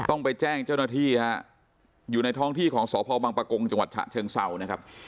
ต้องไปแจ้งเจ้าหน้าที่ฮะอยู่ในท้องที่ของสพบังปะกงจังหวัดฉะเชิงเศร้านะครับ